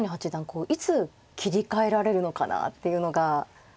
こういつ切り替えられるのかなっていうのが。